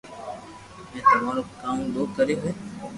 ۾ تمارو ڪاو دوھ ڪريو ھي